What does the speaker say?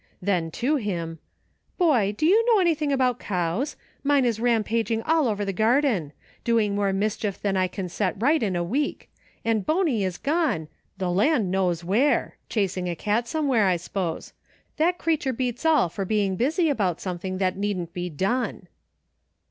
Then, to him :" Boy, do you know anything about cows .* Mine is rampaging all over the garden ; doing more mischief than I can set right in a week ; and Bony is gone, the land knows where ; chasing a cat somewhere, I s'pose ; that creature beats al) SOME HALF WAY THINKING. O3 for being busy about something that needn't be done